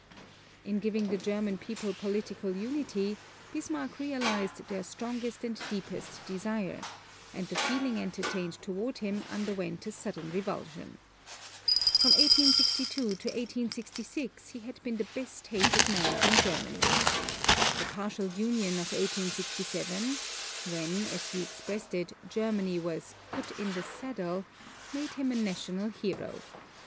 In giving the German people political unity Bismarck realized their strongest and deepest desire; and the feeling entertained toward him underwent a sudden revulsion. From 1862 to 1866 he had been the best hated man in Germany. The partial union of 1867 when, as he expressed it, Germany was "put in the saddle" made him a national hero.